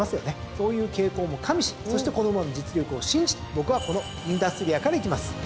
そういう傾向も加味しそしてこの馬の実力を信じて僕はこのインダストリアからいきます。